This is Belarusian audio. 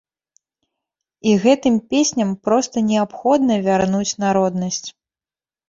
І гэтым песням проста неабходна вярнуць народнасць.